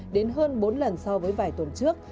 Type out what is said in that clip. đến hơn bốn lần so với vài tuần trước